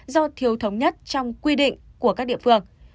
do thiếu thống nhất trong quy định của các địa phương